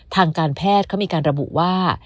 ทางการแพทย์เขามีการระบุว่า